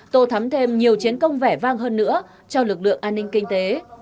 tô thắm thêm nhiều chiến công vẻ vang hơn nữa cho lực lượng an ninh kinh tế